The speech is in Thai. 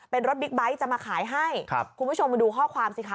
เป็นรถบิ๊กไบท์จะมาขายให้ครับคุณผู้ชมมาดูข้อความสิคะ